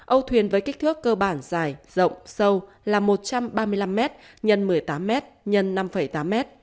âu thuyền với kích thước cơ bản dài rộng sâu là một trăm ba mươi năm m x một mươi tám m x x năm tám m